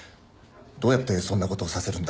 どうやってそんな事をさせるんだ？